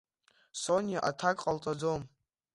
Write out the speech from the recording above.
Сониа аҭак ҟалҵаӡом.